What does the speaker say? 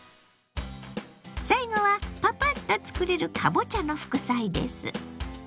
最後はパパッと作れるかぼちゃの副菜です。